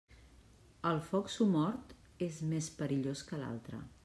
El foc somort és més perillós que l'altre.